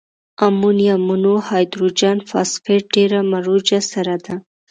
امونیم مونو هایدروجن فاسفیټ ډیره مروجه سره ده.